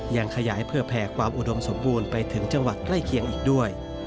ยังขยายเพื่อแผ่ความอุดมสมบูรณ์ไปถึงจังหวัดใกล้เคียงอีกด้วย